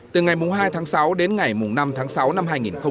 từ ngày hai tháng sáu đến ngày năm tháng sáu năm hai nghìn một mươi chín